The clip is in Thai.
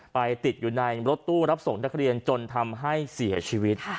ติดอยู่ในรถตู้รับส่งนักเรียนจนทำให้เสียชีวิต